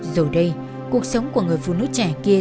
giờ đây cuộc sống của người phụ nữ trẻ kia